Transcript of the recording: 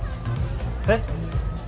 えっ？